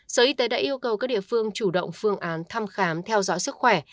sở y tế đã yêu cầu các địa phương chủ động phương án thăm khám theo dõi sức khỏe